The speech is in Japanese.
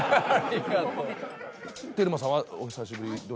テルマさんはお久しぶりどれぐらい？